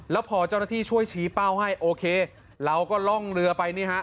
แล้วพอเจ้าหน้าที่ช่วยชี้เป้าให้โอเคเราก็ล่องเรือไปนี่ฮะ